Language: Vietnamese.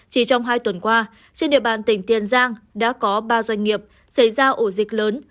chỉ trong hai tuần qua trên địa bàn tỉnh tiền giang đã có ba doanh nghiệp xảy ra ổ dịch lớn